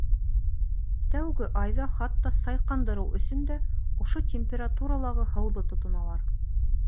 Тәүге айҙа хатта сайҡандырыу өсөн дә ошо температуралағы һыуҙы тотоналар.